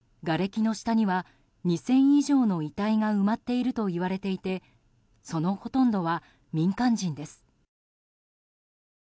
がれきの下には２０００以上の遺体が埋まっていると言われていてそのほとんどは民間人です。